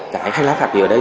cái hành lang pháp lý ở đây